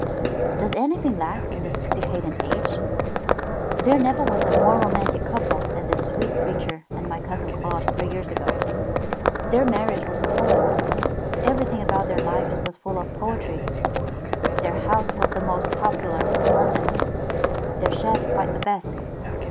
"Does anything last in this decadent age? There never was a more romantic couple than that sweet creature and my cousin Claude three years ago. Their marriage was a poem, everything about their lives was full of poetry, their house was the most popular in London, their chef quite the best.